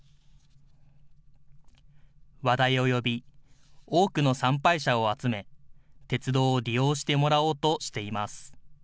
話題を呼び、多くの参拝者を集め、鉄道を利用してもらおうとしています。